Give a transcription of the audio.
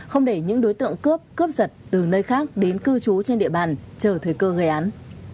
không để những đối tượng cướp cướp giật từ nơi khác đến cư trú trên địa bàn chờ thời cơ gây án